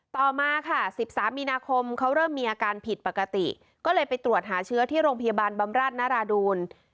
ต่อมาค่ะ๑๓มีนาคมเขาเริ่มมีอาการผิดปกติก็เลยไปตรวจหาเชื้อที่โรงพยาบาลบำราชนราดูล